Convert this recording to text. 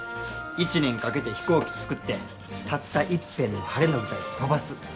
一年かけて飛行機作ってたったいっぺんの晴れの舞台で飛ばす。